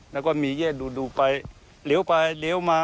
แล้วก็มีแยกดูไปเร็วไปเร็วมา